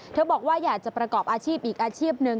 บอกว่าอยากจะประกอบอาชีพอีกอาชีพหนึ่ง